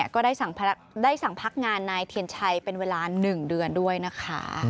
ก็ได้สั่งพักงานนายเทียนชัยเป็นเวลา๑เดือนด้วยนะคะ